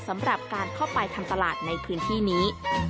การเข้าไปทำตลาดในพื้นที่นี้